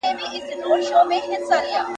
نوموړي د اخلاقو او دین پر مفهوم تکیه کړې ده.